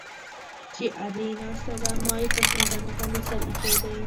چې ادې ناسته ده ما يې پر زنګانه باندې سر ايښى دى.